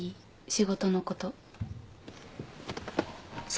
仕事のこと。